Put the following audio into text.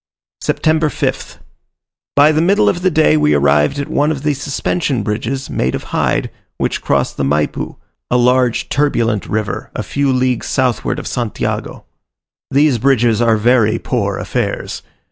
September 5th. By the middle of the day we arrived at one of the suspension bridges, made of hide, which cross the Maypu, a large turbulent river a few leagues southward of Santiago. These bridges are very poor affairs.